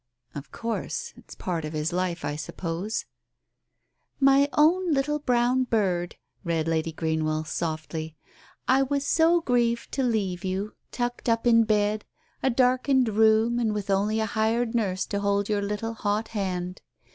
"Of course. It's part of his life, I suppose." "'My own little brown bird y y " read Lady Greenwell softly, "* J was so grieved to leave you, tucked up in bed, Digitized by Google THE MEMOIR 91 a darkened room and with only a hired nurse to hold your little hot hand.